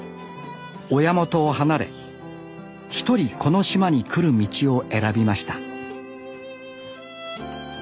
親元を離れ１人この島に来る道を選びました